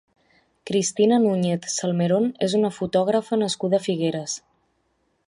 Cristina Núñez Salmerón és una fotògrafa nascuda a Figueres.